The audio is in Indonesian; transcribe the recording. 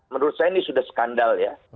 menurut saya ini sudah skandal ya